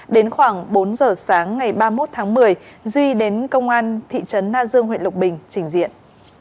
đến khoảng bốn giờ sáng ngày ba mươi một tháng một mươi duy đến công an thị trấn na dương huyện lộc bình trình diện